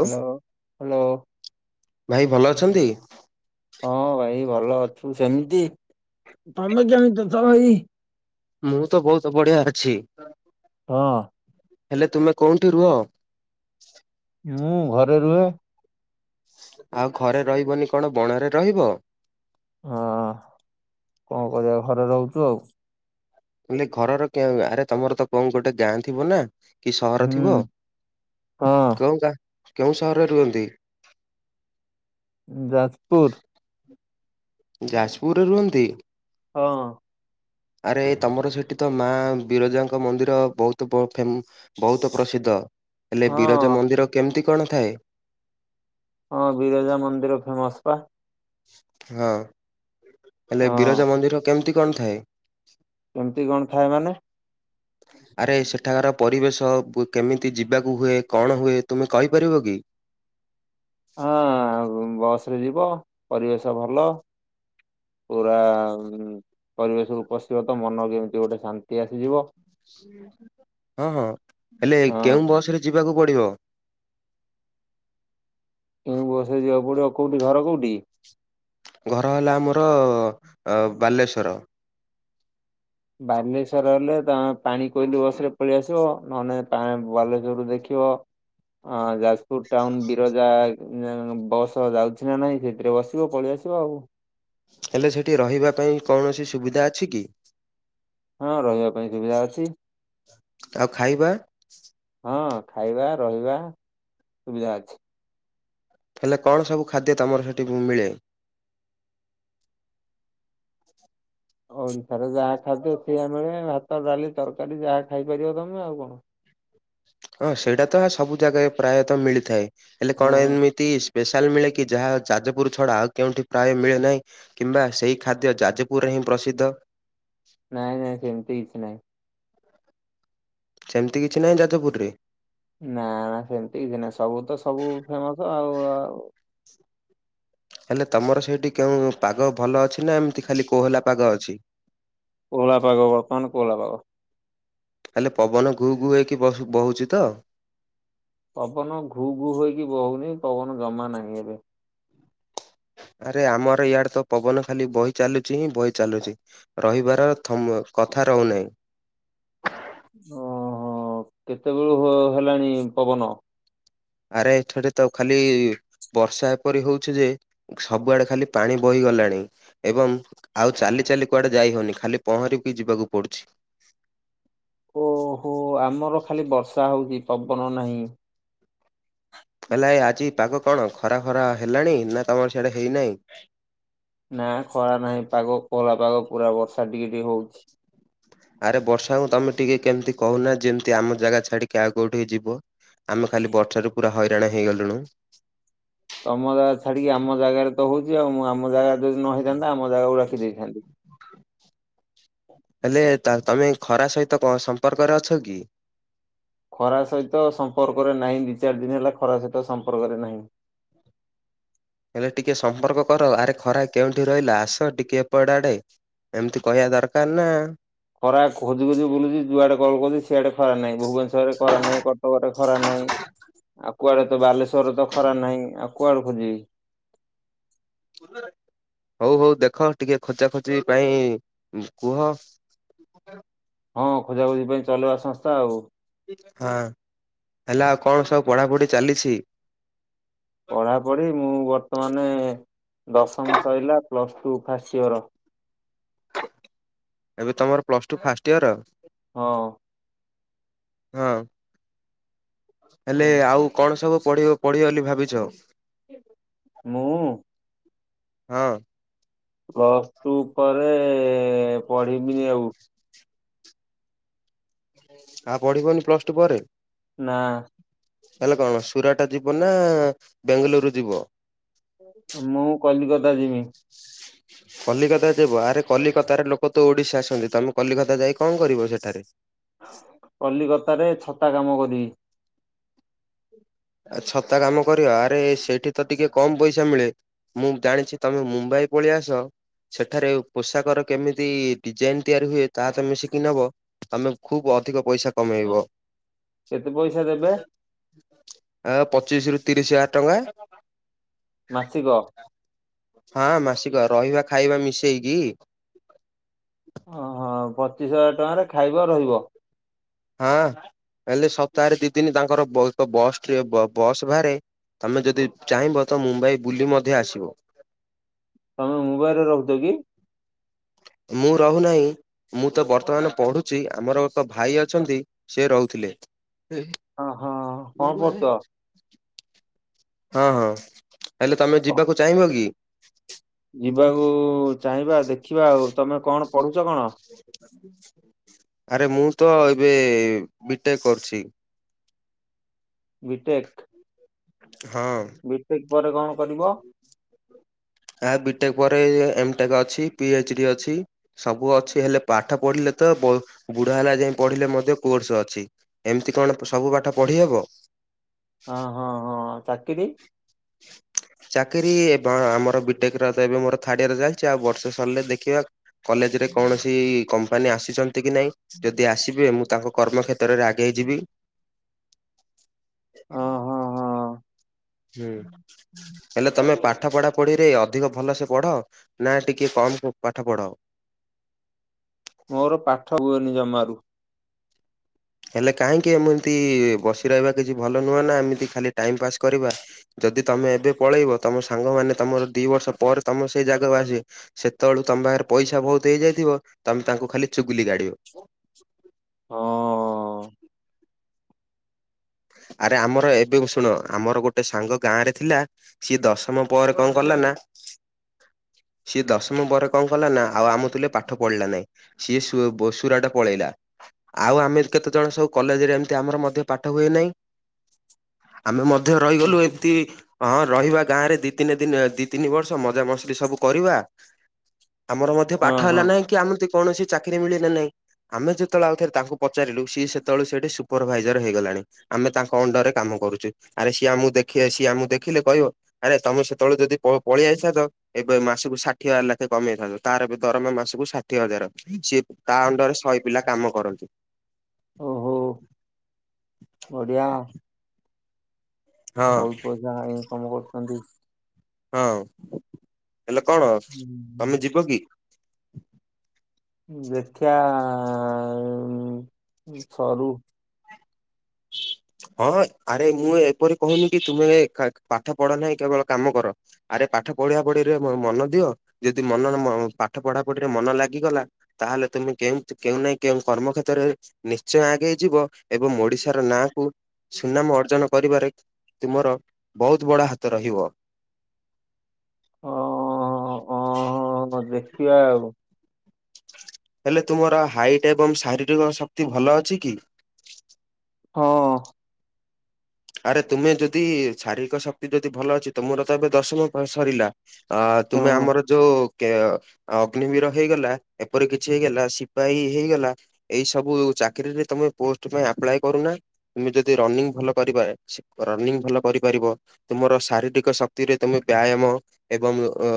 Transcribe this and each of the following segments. Hello hello. ଭାଇ ଭଲ ଅଛନ୍ତି। ହଁ ଭାଇ ଭଲ ଅଛୁ ସେମିତି ତମେ କେମିତି ଅଛ ଭାଇ। ମୁଁ ତ ବହୁତ ବଢିଆ ଅଛି। ହଁ। ହେଲେ ତୁମେ କେଉଁଠି ରୁହ। ମୁଁ ଘରେ ରୁହେ। ଆଉ ଘରେ ରହିବନି କଣ ବଣରେ ରହିବ। ହଁ କଣ କରିବା ଘରେ ରହୁଛୁ ଆଉ ମାନେ ଘରର କେ ଆରେ ତମର ତ କଣ ଗୋଟେ ଗାଁ ଥିବ ନା। କି ସହର ହୁଁ ଥିବ। ହଁ କେଉଁ ଗାଁ କେଉଁ ସହରରେ ରୁହନ୍ତି। ଯାଜପୁର। ଯାଜପୁରରେ ରୁହନ୍ତି। ହଁ ଆରେ ତମର ସେଇଠି ତ ମା ବିରଜାଙ୍କ ମନ୍ଦିର ବହୁତ ବହୁ ଫେମ ବହୁତ ପ୍ରସିଦ୍ଧ ହେଲେ ବିରଜ ହଁ। ମନ୍ଦିର କେମିତି କଣ ଥାଏ। ହଁ ବିରଜା ମନ୍ଦିର ଫେମସ ପା ହଁ ହେଲେ ହଁ ବିରଜା ମନ୍ଦିର କେମିତି କଣ ଥାଏ। କେମତି କଣ ଥାଏ ମାନେ [inaudible] ଆରେ ସେଠାକାର ପରିବେଶ କେମିତି ଯିବାକୁ ହୁଏ କଣ ହୁଏ ତୁମେ କହିପାରିବ କି। ହଁ ବସ ରେ ଯିବ ପରିବେଶ ଭଲ। ପୁରା ପରିବେଶରୁ ପଶିବ ତ ମନ କେମିତି ଗୋଟେ ଶାନ୍ତି ଆସିଯିବ। ହଁ ହଁ ହେଲେ ହଁ କେଉଁ ବସ ରେ ଯିବାକୁ ପଡିବ। କେଉଁ ବସରେ ଯିବାକୁ ପଡିବ, କୋଉଠି ଘର କୋଉଠି? ଘର ହେଲା ଆମର-ଅ ଅ ବାଲେଶ୍ୱର। ବାଲେଶ୍ଵର ହେଲେ ତମେ ପାଣି କୋଇଲି ବସରେ ପଳି ଆସିବ ନହେଲେ ପାଁ ବାଲେଶ୍ଵର ରୁ ଦେଖିବ ହଁ ଯାଜପୁର ଟାଉନ ବିରଜା-ଆ ଏଁ ବସ ଯାଉଛି ନା ନାହିଁ ସେଥିରେ ବସିବ ପଳିଆସି ତ ଆଉ। ହେଲେ ସେଠି ରହିବା ପାଇଁ କୌଣସି ସୁବିଧା ଅଛି କି? ହଁ ରହିବା ପାଇଁ ସୁବିଧା ଅଛି। ଆଉ ଖାଇବା ହଁ ଖାଇବା ରହିବା ସୁବିଧା ଅଛି। ହେଲେ କଣ ସବୁ ଖାଦ୍ୟ ତମର ସେଠି ମିଳେ? ଓଡିଶାର ଯାହା ଖାଦ୍ୟ ସିଆ ମିଳେ ଭାତ, ଡାଲି, ତର୍କାରୀ ଯାହା ଖାଇପାରିବ ତମେ ଆଉ କଣ। ହଁ ସେଇଟା ତ ସବୁ ଜାଗାରେ ପ୍ରାୟତଃ ମିଳିଥାଏ ହେଲେ ହଁ କଣ ହଁ ଏମିତି ସ୍ପେଶାଲ ମିଳେ କି ଯାହା ଯାଜପୁର ଛଡା ଆଉ କେଉଁଠି ପ୍ରାୟ ମିଳେ ନାହିଁ? କିମ୍ବା ସେଇ ଖାଦ୍ୟ ଯାଜପୁରରେ ହିଁ ପ୍ରସିଦ୍ଧ। ନାଇଁ ନାଇଁ ସେମିତି କିଛି ନାଇଁ। ସେମିତି କିଛି ନାହିଁ ଯାଜପୁରୁରେ। ନା ନା ସେମିତି କିଛି ନାଇଁ ସବୁ ତ ସବୁ ଫେମସ ଆଉ ଉ ହେଲେ ତମର ସେଇଠି କେଉଁ ପାଗ ଭଲ ଅଛି ନା ଏମିତି ଖାଲି କୋହଲା ପାଗ ଅଛି? କୋହଳା ପାଗ ବର୍ତମାନ କୋହଲା ପାଗ। ହେଲେ ପବନ ଘୁ ଘୁ ହେଇକି ବସ ବହୁଚି ତ। ପବନ ଘୁ ଘୁ ହେଇକି ବହୁନି ପବନ ଜମା ନାହିଁ ଏବେ। ଆରେ ଆମର ଇଆଡେ ତ ପବନ ଖାଲି ବହି ଚାଲୁଚି ହିଁ ବହି ଚାଲୁଚି। ରହିବାର ଥମ୍ କଥା ରହୁନାହିଁ। ଓହୋ କେତେବେଳୁ ହୋ ହେଲାଣି ପବନ? ଆରେ ଏଥଡ ତ ଖାଲି-ଇ ବର୍ଷା ଏପରି ହୋଉଛି ଯେ ସବୁଆଡେ ଖାଲି ପାଣି ବହି ଗଲାଣି। ଏବଂ ଆଉ ଚାଲି ଚାଲି କୁଆଡେ ଯାଇ ହଉନି ଖାଲି ପହଁରିକି ଯିବାକୁ ପଡୁଛି। ଓହୋ ଆମର ଖାଲି ବର୍ଷା ହଉଛି ପବନ ନାହିଁ। ହେଲା ଏ ଆଜି ପାଗ କଣ ଖରା ଖରା ହେଲାଣି ନା ତମର ସେଆଡେ ହେଇନାହିଁ? ନା ଖରା ନାହିଁ ପାଗ ଖୋଲା ପାଗ ପୁରା ବର୍ଷା ଟିକେ ଟିକେ ହଉଛି ଆରେ ବର୍ଷାଙ୍କୁ ତମେ ଟିକେ କେମିତି କହୁନା ଯେମିତି ଆମ ଜାଗା ଛାଡିକି ଆଉ କୋଉଠିକି ଯିବ। ଆମେ ଖାଲି ବର୍ଷାରୁ ପୁରା ହଇରାଣ ହେଇଗଲୁଣୁ। ତମ ଜାଗା ଛାଡିକି ଆମ ଜାଗାରେ ତ ହୋଉଚି ଆଉ, ମୁଁ ଆମ ଜାଗାରେ ଯଦି ନ ହେଇଥାନ୍ତା ଆମ ଜାଗାକୁ ରଖି ଦେଇଥାନ୍ତି। ହେଲେ ତାଲ୍ ତମେ ଖରା ସହିତ କଁ ସମ୍ପର୍କରେ ଅଛ କି? ଖରା ସହିତ ସମ୍ପର୍କରେ ନାହିଁ ଦି ଚାରି ଦିନ ହେଲା ଖରା ସହିତ ସମ୍ପର୍କରେ ନାହିଁ। ହେଲେ ଟିକେ ସମ୍ପର୍କ କର, ଆରେ ଖରା କେଉଁଠି ରହିଲା ଆସ ଟିକେ ଏପଡ ଆଡ଼େ। ଏମିତି କହିବା ଦରକାର ନା। ଖରା ଖୋଜି ଖୋଜି ବୁଲୁଚି ଯୁଆଡେ କଲ କରୁଚି ସିଆଡେ ଖରା ନାହିଁ, ଭୁବନେଶ୍ୱରରେ ଖରା ନାହିଁ, କଟକରେ ଖରା ନାହିଁ। ଆଉ କୁଆଡେ ତ ବାଲେଶ୍ଵରରେ ତ ଖରା ନାହିଁ, ଆଉ କୁଆଡୁ ଖୋଜିବି। ହୋଉ ହୋଉ ଦେଖ ଟିକେ ଖୋଜା ଖୋଜି ପାଇଁ କୁହ। ହଁ ଖୋଜାଖୋଜି ପାଇଁ ଚଲବା ସଂସ୍ଥା ଆଉ। ହଁ ହେଲା ଆଉ କଣ ସବୁ ପଢାପଢି ଚାଲିଛି? ପଢା ପଢି ମୁଁ ବର୍ତ୍ତମାନେ ଦଶମ ସଇଲା ପ୍ଲସ ଟୁ ଫାଷ୍ଟ ଇୟର। ଏବେ ତମର ପ୍ଲସ ଟୁ ଫାଷ୍ଟ ଇୟର? ହଁ। ହଁ ହେଲେ ଆଉ କଣ ସବୁ ପଢିବ ପଢିବ ବୋଲି ଭାବିଛ? ମୁଁ ହଁ। ପ୍ଲସ୍ ଟୁ ପରେ ପଢିବିନି ଆଉ। ଆଉ ପଢିବନି ପ୍ଲସ୍ ଟୁ ପରେ? ନା। ତାହେଲେ କଣ ସୁରାଟ ଯିବ ନା ବେଙ୍ଗ୍ ଲୁରୁ ଯିବ? ମୁଁ କଲିକତା ଯିମି। [unintelligible] କଲିକତା ଯିବ ଆରେ କଲିକତାରେ ଲୋକ ତ ଓଡିଶା ଆସନ୍ତି ତମେ କଲିକତା ଯାଇ କଣ କରିବ ସେଠାରେ? କଲିକତାରେ ଛତା କାମ କରି ଆ ଛତା କାମ କରିବ ଆରେ ସେଇଠି ତ ଟିକେ କମ୍ ପଇସା ମିଳେ। ମୁଁ ଜାଣିଛି ତମେ ମୁମ୍ବାଇ ପଳେଇଆସ ସେଠାରେ ପୋଷାକର କେମିତି ଡିଜାଇନ୍ ତିଆରି ହୁଏ ତାହା ତମେ ଶିିକି ନବ ତମେ ଖୁବ୍ ଅଧିକ ପଇସା କମେଇବ। କେତେ ପଇସା ଦେବେ? [unintelligible] ଆ ପଚିଶି ରୁ ତିରିଶି ହଜାର ଟଙ୍କା। ମାସିକ ହଁ ମାସିକ ରହିବା ଖାଇବା ମିଶେଇକି। ଓହୋ ପଚିଶ୍ ହଜାର ଟଙ୍କାରେ ଖାଇବ ରହିବ ହଁ ହେଲେ ସପ୍ତାହରେ ଦି ଦିନି ତାଙ୍କର ବସ୍ ବସ୍ ଟିଏ ବ ବସ୍ ବାହାରେ ତମେ ଯଦି ଚାହିଁବ ତ ମୁମ୍ବାଇ ବୁଲି ମଧ୍ୟ ଆସିବ। ତମେ ମୁମ୍ବାଇ ରେ ରହୁଛ କି? ମୁଁ ରହୁନାହିଁ। ମୁଁ ତ ବର୍ତ୍ତମାନ ପଢୁଛି ଆମର ତ ଭାଇ ଅଛନ୍ତି ସେ ରହୁଥିଲେ। ହଁ ହଁ [inaudible] କଣ ହଁ କରୁଛ? ହଁ। ହେଲେ ତମେ ଯିବାକୁ ଚାହିଁବ କି? ଯିବାକୁ ଚାହିଁବା ଦେଖିବା ଆଉ ତମେ କଣ ପଢୁଛ କଣ? ଆରେ ମୁଁ ତ ଏବେ ବିଟେ କରୁଛି। ବିଟେକ୍ ହଁ। ବିଟେକ୍ ପରେ କଣ କରିବ? ଆ ବିଟେ ପରେ ଏମ୍ ଟେକ୍ ଅଛି ପି ଏଚ୍ ଡି ଅଛି ସବୁ ଅଛି ହେଲେ ପାଠ ପଢିଲେ ତ ବ ବୁଢା ହେଲା ଯାଏ ପଢିଲେ ମଧ୍ୟ କୋର୍ସ୍ ଅଛି। ଏମ୍ ତି କଣ ସବୁ ପାଠ ପଢ଼ି ହବ। ହ ହଁ ହଁ ଚାକିରି [inaudible] ଚାକିରି ଅଁ ଆମର ବିଟେକ୍ ର ଏବେ ଏବେ ମୋର ଥାର୍ଡ ଇୟର ଚାଲିଛି ଆଉ ବର୍ଷେ ସରିଲେ ଦେଖିବା କଲେଜ୍ ରେ କୌଣସି କମ୍ପାନୀ ଆସିଛନ୍ତି କି ନାଇଁ ଯଦି ଆସିବେ ମୁଁ ତାଙ୍କୁ କର୍ମକ୍ଷେତ୍ରରେ ଆଗେଇଇଯିବି ଅ ହଁ ହଁ। ହୁଁ ହେଲେ ତମେ ପାଠ ପଢା ପଢିରେ ଅଧିକ ଭଲ ସେ ପଢ ନା ଟିକେ କମ୍ ପାଠ ପଢ ମୋର ପାଠ ହୁଏନି ଜମାରୁ। ହେଲେ କାହିଁକି ଏମିତି ବସି ରହିବା କିଛି ଭଲ ନୁହଁ ନା ଏମିତି ଖାଲି ଟାଇମ ପାସ୍ କରିବା। ଯଦି ତମେ ଏବେ ପଳେଇବ ତମ ସାଙ୍ଗମାନେ ତମର ଦି ବର୍ଷ ପରେ ତମର ସେଇ ଜାଗାକୁ ଆସିବେ। ସେତେବେଳୁ ତମ ପାଖରେ ପଇସା ବହୁତ ହେଇଯାଇଥିବ ତମେ ତାଙ୍କୁ ଖାଲି ଚୁଗୁଲି କାଢିବ। ହଁ। ଆରେ ଆମର ଏବେ ଶୁଣ ଆମର ଗୋଟେ ସାଙ୍ଗ ଗାଁରେ ଥିଲା। ସିଏ ଦଶମ ପରେ କଣ କଲା ନା ସିଏ ଦଶମ ପରେ କଣ କଲା ନା ଆଉ ଆମ ତୁଲେ ପାଠ ପଢିଲା ନାହିଁ। ସିଏ ସୁ ପ ସୁରାଟ ପଳେଇଲା। ଆଉ ଆମେ କେତେ ଜଣ ସବୁ କଲେଜ ରେ ଏମିତି ଆମର ମଧ୍ୟ ପାଠ ହୁଏ ନାହିଁ। ଆମେ ମଧ୍ୟ ରହିଗଲୁ। ତି ହଁ ରହିବା ଗାଁ ରେ ଦି ତିନି ଦିନ ଦି ତିନି ବର୍ଷ ମଜା ମସ୍ତି ସବୁ କରିବା। ତମର ମଧ୍ୟ ପାଠ ହଁ ହେଲା ହଁ ନାହିଁ କି ଆମତି କୌଣସି ଚାକିରି ମିଳିଲା ନାହିଁ। ଆମେ ଯେତେବେଳେ ଆଉ ଥରେ ତାଙ୍କୁ ପଚାରିଲୁ ସିଏ ସେତେବେଳେ ସେଇଠି ସୁପରଭାଇଜର ହେଇଗଲାଣି। ଆମେ ତାଙ୍କ ଅଣ୍ଡରରେ କାମ କରୁଛୁ ଆରେ ସିଏ ଆମକୁ ଦେଖିଏ ସିଏ ଆମକୁ ଦେଖିଲେ କହିବ ଆରେ ତମେ ସେତେବେଳେ ଯଦି ପଳେଇଆଇ ଥାନ୍ତ ଏବେ ମାସକୁ ଷାଠିଏ ହଜାର ଲାଖେ କମେଇଥାନ୍ତ ତାର ଏବେ ଦରମା ମାସକୁ ଷାଠିଏ ହଜାର ସିଏ ତା ଅଣ୍ଡରରେ ଶହେ ପିଲା କାମ କରନ୍ତି। ଓହୋ। ବଢିଆ ହଁ ବହୁତ ପଇସା ଇନକମ କରୁଛନ୍ତି। ହଁ ହେଲେ କଣ ହୁଁ, ତମେ ଯିବ କି? ଦେଖିବା ସରୁ [inaudible] ହଁ ଆରେ ମୁଁ ଏପରି କହୁନି କି ତୁମେ କା ପାଠ ପଢ ନାହିଁ କେବଳ କାମ କର। ଆରେ ପାଠ ପଢ଼ିଆ ପଢିରେ ମନ ଦିଅ ଯଦି ମନ ପାଠ ପଢା ପଢିରେ ମନ ଲାଗିଗଲା ତାହେଲେ ତୁମେ କେମ କେଉଁ ନାହିଁ କେଉଁ କର୍ମ କ୍ଷେତ୍ରରେ ନିଶ୍ଚୟ ଆଗେଇ ଯିବ ଏବଂ ଓଡିଶା ର ନାଁକୁ ସୁନାମ ଅର୍ଜନ କରିବାରେ ତୁମର ବହୁତ ବଡ଼ ହାତ ରହିବ। ଓ ଓ ହଁ ଦେଖିବା ଆଉ। ହେଲେ ତୁମର ହାଇଟ୍ ଏବଂ ଶାରୀରିକ ଶକ୍ତି ଭଲ ଅଛି କି? ହଁ। ଆରେ ତୁମେ ଯଦି ଶାରୀରିକ ଶକ୍ତି ଯଦି ଭଲ ଅଛି ତୁମର ତ ଏବେ ଦଶମ ସରିଲା। ଅ ତୁମେ ହଁ ଆମର ଯୋଉ ଅଗ୍ନିବୀର ହେଇଗଲା ଏପରି କିଛି ହେଇଗଲା ସିପାହୀ ହେଇଗଲା। ଏଇ ସବୁ ଚାକିରୀରେ ତମେ ପୋଷ୍ଟ ପାଇଁ ଆପ୍ଲାଏ କରୁନା ତମେ ଯଦି ରନିଙ୍ଗ ଭଲ କରିବ ରନିଙ୍ଗ ଭଲ କରିପାରିବ ତୁମର ଶାରୀରିକ ଶକ୍ତିରେ ତୁମେ ବ୍ୟାୟାମ ଏବଂ ଅ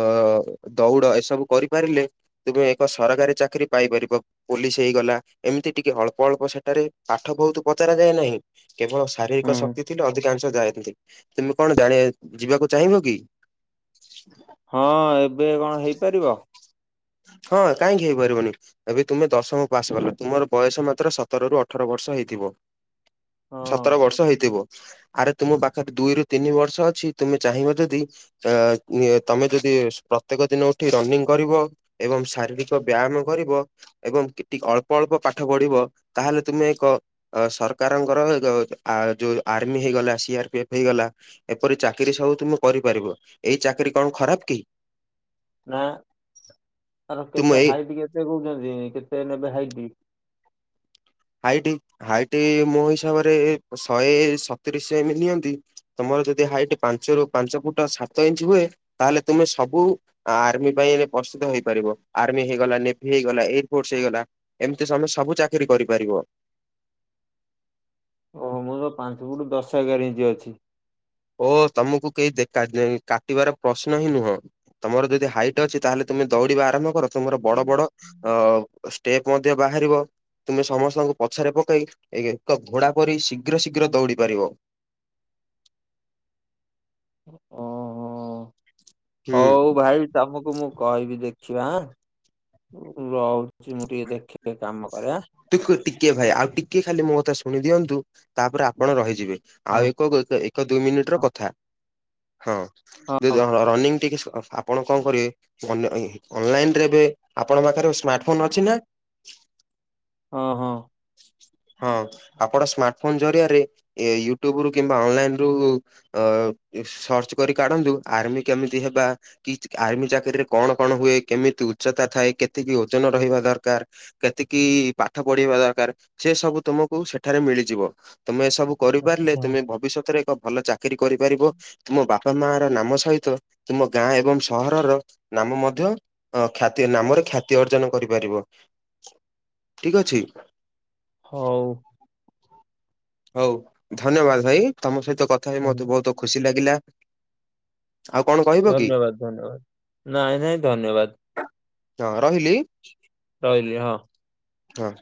ଦୌଡ଼ ଏସବୁ କରିପାରିଲେ ତୁମେ ଏକ ସରକାରୀ ଚାକିରି ପାଇପାରିବ। ପୋଲିସ ହେଇଗଲା ଏମିତି ଟିକେ ଅଳ୍ପ ଅଳ୍ପ ସେଠାରେ ପାଠ ବହୁତ ପଚାର ଯାଏ ନାହିଁ କେବଳ ଶାରୀରିକ ହୁଁ, ଶକ୍ତି ଥିଲେ ଅଧିକ [unintelligible] ତମେ କଣ ଜାଣ ଯିବାକୁ ଚାହିଁବ କି? ହଁ ଏବେ କଣ ହେଇପାରିବ? ହଁ କାହିଁକି ହେଇପାରିବନି? ଏବେ ତୁମେ ଦଶମ ପାସ୍ କଲ ତୁମର ବୟସ ମାତ୍ର ସତର ରୁ ଅଠର ବର୍ଷ ହେଇଥିବ। ହଁ। ସତର ବର୍ଷ ହେଇଥିବ। ଆରେ ତୁମ ପାଖରେ ଦୁଇରୁୁ ତିନି ବର୍ଷ ଅଛି ତୁମେ ଚାହିଁବ ଯଦି ଅ ତମେ ଯଦି ପ୍ରତ୍ୟେକ ଦିନ ଉଠି ରନିଂ କରିବ। ଏବଂ ଶାରୀରିକ ବ୍ୟାମ କରିବ। ଏବଂ ଟିକେ ଅଳ୍ପ -ଅଳ୍ପ ପାଠ ପଢିବ ତାହେଲେ ତୁମେ ଏକ ଅ ସରକାରଙ୍କର ଗ ଯୋଉ ଆର୍ମି ହେଇଗଲା। ସିଆର ପି ଏଫ ହେଇଗଲା। ଏପରି ଚାକିରି ସବୁ ତୁମେ କରିପାରିବ। ଏଇ ଚାକିରି କଣ ଖରାପ କି? ନା। ତାର ତୁମ କେତେ ଏଇ ହାଇଟ କେତେ ବୁଝୁଚି କେତେ ନେବେ ହାଇଟ୍? ହାଇଟ୍, ହାଇଟ୍ ମୋ ହିସାବରେ ଶହେ ସତୁରୀ ସି ଏମ ନିଅନ୍ତି। ତୁମର ଯଦି ହାଇଟ ପାଞ୍ଚ ରୁ ପାଞ୍ଚ ଫୁଟ ସାତ ଇଞ୍ଚ ହୁଏ ତାହେଲେ ତୁମେ ସବୁ ଆର୍ମି ପାଇଁ ପ୍ରସ୍ତୁତ ହେଇପାରିବ। ଆର୍ମି ହେଇଗଲା। ନେଭି ହେଇଗଲା। ଏୟାର ଫୋର୍ସ ହେଇଗଲା। ଏମିତି ସମେ ସବୁ ଚାକିରି କରିପାରିବ। ମୁଁ ପା ପାଞ୍ଚ ଫୁଟୁ ଦଶ, ଏଗାର ଇଞ୍ଚ ଅଛି। ଓ ତମକୁ କେହି ଦେ କା କାଟିବାର ପ୍ରଶ୍ନ ହିଁ ନୁହଁ। ତମର ଯଦି ହାଇଟ୍ ଅଛି ତାହେଲେ ତୁମେ ଦୌଡିବା ଆରମ୍ଭ କର। ତୁମର ବଡ ବଡ ଅ ଷ୍ଟେପ ମଧ୍ୟ ବାହାରିବ। ତୁମେ ସମସ୍ତଙ୍କୁ ପଛରେ ପକେଇ ଏକ ଘୋଡା ପରି ଶୀଘ୍ର ଶୀଘ୍ର ଦୌଡି ପାରିବ। ଓହୋ। ହୁଁ। ହଉ ଭାଇ ତମକୁ ମୁଁ କହିବି ଦେଖିବା ଆଁ। ରହୁଛି। ମୁଁ ଟିକେ ଦେଖେ କାମ କରେ ଆଁ। ଟିକୁ ଟିକେ ଭାଇ ଆଉ ଟିକେ ଖାଲି ମୋ କଥା ଶୁଣି ଦିଅନ୍ତୁ, ତାପରେ ଆପଣ ରହିଯିବେ। ଆଉ ଏକ ଏକ ଦୁଇ ମିନିଟର ହଁ କଥା। ହଁ ହଁ ଯେ ହଉ। ର ରନିଂ ଟିକେ [unintelligible] ଆପଣ କଣ କରିବେ? ଅନ୍ ଅନ୍ ଲାଇନରେ ଏବେ। ଆପଣଙ୍କ ପାଖରେ ସ୍ମାର୍ଟଫୋନ୍ ଅଛି ନା? ହଁ -ହଁ। ହଁ ଆପଣ ସ୍ମାର୍ଟ ଫୋନ୍ ଜରିଆରେ ଏ ୟୁଟ୍ୟୁବ ରୁ କିମ୍ବା ଅନଲାଇନ ରୁ ଅ ସର୍ଚ୍ଚ କରି କାଢନ୍ତୁ ଆର୍ମି କେମିତି ହେବା? କି ଆର୍ମି ଚାକିରରିରେ କଣ କଣ ହୁଏ? କେମିତି ଉଚ୍ଚତା ଥାଏ? କେତିକି ଓଜନ ରହିବା ଦରକାର? କେତିକି ପାଠ ପଢିବା ଦରକାର? ସେ ସବୁ ତୁମକୁ ସେଠାରେ ମିଳିଯିବ ତମେ ଏ ସବୁ କରିପାରିଲେ ତମେ ଭବିଷ୍ୟତରେ ଏକ ଭଲ ଚାକିରି କରିପାରିବ। ତୁମ ବାପା ମା ର ନାମ ସହିତ ତୁମ ଗାଁ ଏବଂ ସହରର ନାମ ମଧ୍ୟ ଅ ଖ୍ୟାତି ନାମରେ ଖ୍ୟାତି ଅର୍ଜନ କରିପାରିବ। ଠିକ ଅଛି? ହଉ। ହଉ ଧନ୍ୟବାଦ ଭାଇ। ତମ ସହିତ କଥା ହେଇ ମତେ ଧନ୍ୟ- ବହୁତ ଖୁସି ଲାଗିଲା। ଆଉ କଣ କ ଧନ୍ୟବାଦ- ଧନ୍ୟବାଦ। ନାଇଁ- ନାଇଁ ଧନ୍ୟବାଦ। ହଁ ରହିଲି। ରହିଲି ହଁ। ହଁ।